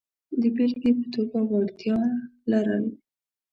د بېلګې په توګه وړتیا لرل.